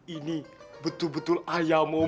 ini betul betul ayam om